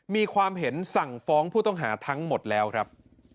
มีความเห็นสั่งฟ้องผู้ต้องหาทั้งหมดแล้วครับ